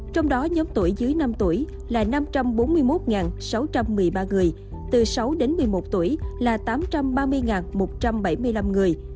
trong đó nhóm tuổi dưới năm tuổi là năm trăm bốn mươi một sáu trăm một mươi ba người từ sáu đến một mươi một tuổi là tám trăm ba mươi một trăm bảy mươi năm người